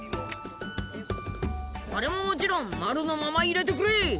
これももちろんまるのまま入れてくれい！